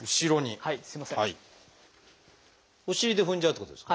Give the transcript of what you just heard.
はい。